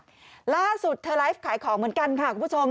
ล่าสุดเธอไลฟ์ขายของเหมือนกันค่ะคุณผู้ชม